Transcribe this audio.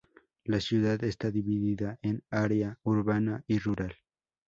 La ciudad está dividida en área urbana y rural.